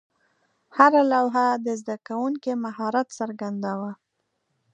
هره لوحه د زده کوونکي مهارت څرګنداوه.